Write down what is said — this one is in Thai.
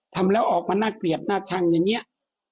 ทำแล้วออกมาน่าเกลียดน่าชั่งอย่างนี้